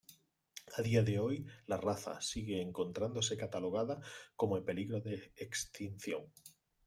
A día de hoy la raza sigue encontrándose catalogada como en peligro de extinción.